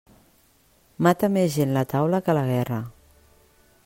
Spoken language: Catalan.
Mata més gent la taula que la guerra.